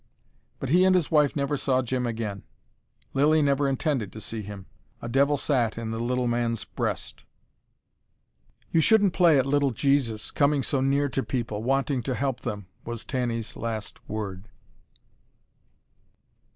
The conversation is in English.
But he and his wife never saw Jim again. Lilly never intended to see him: a devil sat in the little man's breast. "You shouldn't play at little Jesus, coming so near to people, wanting to help them," was Tanny's last word.